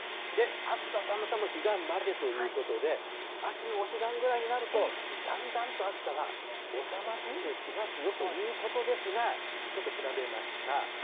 暑さ寒さも彼岸までということで、秋のお彼岸ぐらいになるとだんだんと暑さは収まってきますよということですが、ちょっと調べました。